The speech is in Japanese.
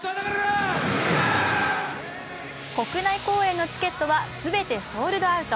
国内公演のチケットはすべてソールドアウト。